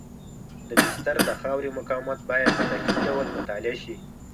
د بستر د خاورې مقاومت باید په دقیق ډول مطالعه شي